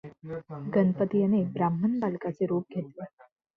गणपती याने ब्राह्मण बालकाचे रूप घेतले.